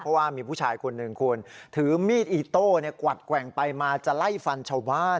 เพราะว่ามีผู้ชายคนหนึ่งคุณถือมีดอีโต้กวัดแกว่งไปมาจะไล่ฟันชาวบ้าน